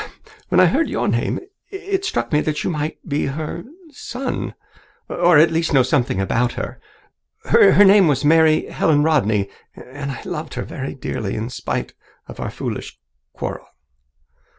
When I heard your name, it struck me that you might be her son, or at least know something about her. Her name was Mary Helen Rodney, and I loved her very dearly in spite of our foolish quarrel."